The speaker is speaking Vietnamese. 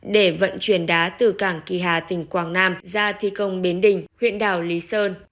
để vận chuyển đá từ cảng kỳ hà tỉnh quảng nam ra thi công bến đình huyện đảo lý sơn